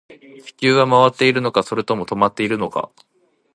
地球は回っているのか、それとも止まっているのか